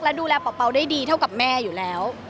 และดูแลเป่าได้ดีเท่ากับแม่อยู่แล้ว